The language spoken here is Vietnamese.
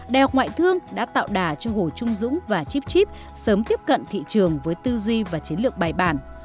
đại học ngoại thương đã tạo đà cho hồ trung dũng và chipchip sớm tiếp cận thị trường với tư duy và chiến lược bài bản